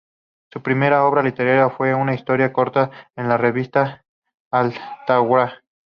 Su primera obra literaria fue una historia corta en la revista "al-Thawra".